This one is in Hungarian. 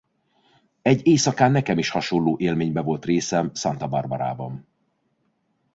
Egy éjszakán nekem is hasonló élményben volt részem Santa Barbarában.